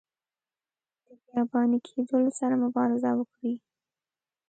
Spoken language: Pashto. د بیاباني کیدلو سره مبارزه وکړي.